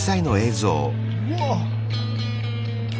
うわっ！